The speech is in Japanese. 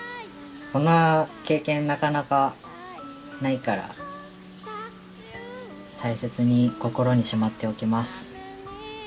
こんな経験なかなかないから大切に心にしまっておきます。